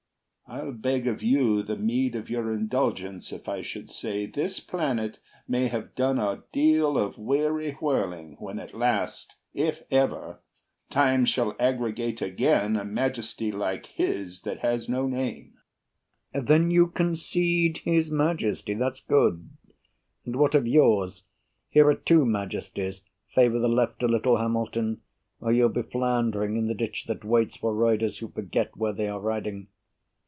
I'll beg of you the meed of your indulgence If I should say this planet may have done A deal of weary whirling when at last, If ever, Time shall aggregate again A majesty like his that has no name. BURR Then you concede his Majesty? That's good, And what of yours? Here are two majesties. Favor the Left a little, Hamilton, Or you'll be floundering in the ditch that waits For riders who forget where they are riding.